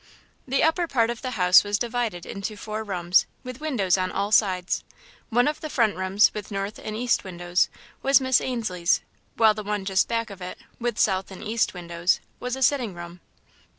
The upper part of the house was divided into four rooms, with windows on all sides. One of the front rooms, with north and east windows, was Miss Ainslie's, while the one just back of it, with south and east windows, was a sitting room.